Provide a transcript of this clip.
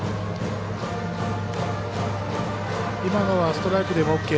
今のはストライクでもオーケー。